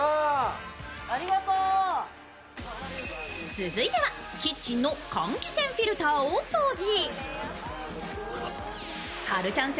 続いてはキッチンの換気扇フィルターを掃除。